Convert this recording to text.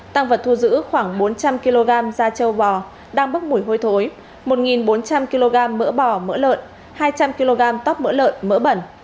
tăng vật thu giữ khoảng bốn trăm linh kg da châu bò đang bốc mùi hôi thối một bốn trăm linh kg mỡ bò mỡ lợn hai trăm linh kg tóp mỡ lợn mỡ bẩn